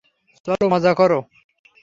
চলো মজা করো।